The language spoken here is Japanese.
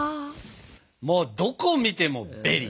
もうどこ見てもベリー。